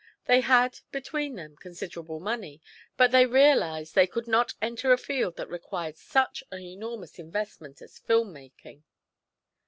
They had, between them, considerable money, but they realized they could not enter a field that required such an enormous investment as film making.